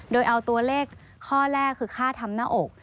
โดยเอาตัวเลขข้อแรกคือค่าทำหน้าอก